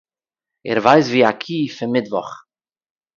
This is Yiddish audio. ער ווייס ווי אַ קו פֿון מיטוואָך.